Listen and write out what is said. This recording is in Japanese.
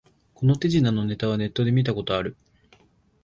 この手品のネタはネットで見たことある